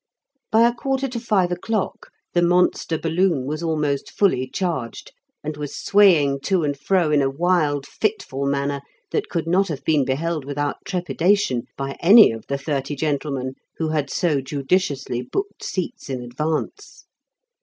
By a quarter to five o'clock the monster balloon was almost fully charged, and was swaying to and fro in a wild, fitful manner, that could not have been beheld without trepidation by any of the thirty gentlemen who had so judiciously booked seats in advance.